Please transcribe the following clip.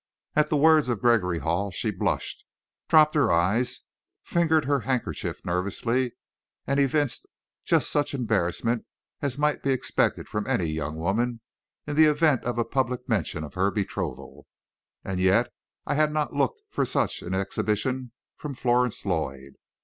At the words of Gregory Hall, she blushed, dropped her eyes, fingered her handkerchief nervously, and evinced just such embarrassment as might be expected from any young woman, in the event of a public mention of her betrothal. And yet I had not looked for such an exhibition from Florence Lloyd.